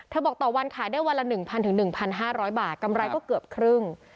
บอกต่อวันขายได้วันละ๑๐๐๑๕๐๐บาทกำไรก็เกือบครึ่ง